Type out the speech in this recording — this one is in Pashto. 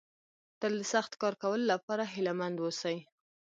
تل د سخت کار کولو لپاره هيله مند ووسئ.